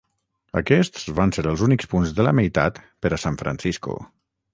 Aquests van ser els únics punts de la meitat per a San Francisco.